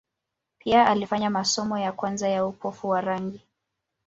Pia alifanya masomo ya kwanza ya upofu wa rangi.